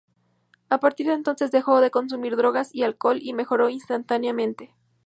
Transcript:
A partir de entonces dejó de consumir drogas y alcohol y mejoró instantáneamente.